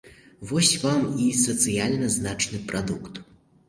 Вось вам і сацыяльна значны прадукт.